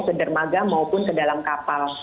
ke dermaga maupun ke dalam kapal